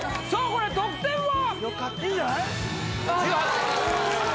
これ得点は？